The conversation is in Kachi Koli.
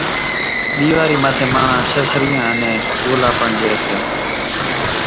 ۮيواري ماٿي ماڻۿان شرشريان انين ڳولا پڻ لئي سي،